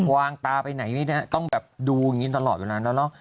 วางตาไปไหนไม่ได้ต้องแบบดูอย่างนี้ตลอดเวลาแล้วเนอะ